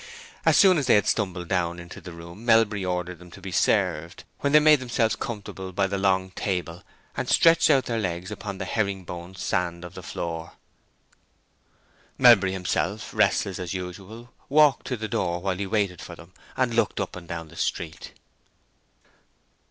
As soon as they had stumbled down into the room Melbury ordered them to be served, when they made themselves comfortable by the long table, and stretched out their legs upon the herring boned sand of the floor. Melbury himself, restless as usual, walked to the door while he waited for them, and looked up and down the street.